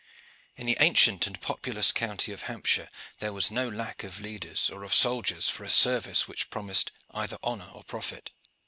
In the ancient and populous county of Hampshire there was no lack of leaders or of soldiers for a service which promised either honor or profit.